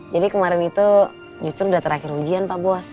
jadi kemarin itu justru udah terakhir ujian pak bos